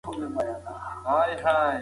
فشار د هورمونونو نظم ګډوډوي.